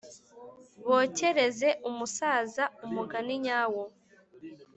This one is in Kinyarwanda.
bokereza umusaza umugani nyawo